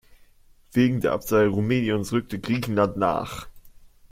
Wegen der Absage Rumäniens rückte Griechenland nach.